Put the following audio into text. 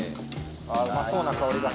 ああうまそうな香りだ。